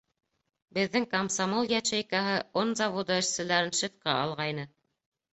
Беҙҙең комсомол ячейкаһы он заводы эшселәрен шефҡа алғайны.